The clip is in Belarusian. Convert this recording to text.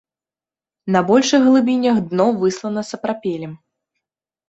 На большых глыбінях дно выслана сапрапелем.